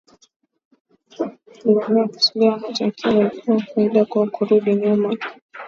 na wanapinga kisilika hata ikiwa itakuwa faida kwao kurudi nyuma